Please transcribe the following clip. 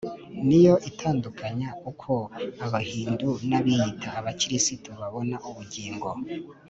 ni yo itandukanya uko abahindu n’abiyita abakristo babona ubugingo.